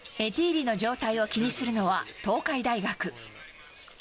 エティーリの状態を気にするのは、東海大学。